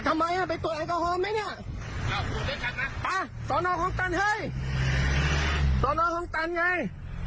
ทำไมอ่ะไปตรวจไอโกฮอล์ไหมเนี้ยป่ะสอนออกของตันเฮ้ย